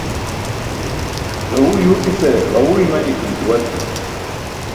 Gaẏu yuuṭise ġaẏu imani kuli duwalji.